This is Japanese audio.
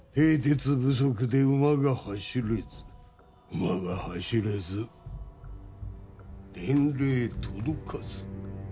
馬が走れず、伝令届かず。